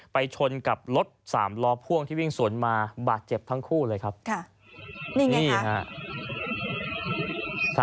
ชนกับรถสามล้อพ่วงที่วิ่งสวนมาบาดเจ็บทั้งคู่เลยครับนี่ฮะ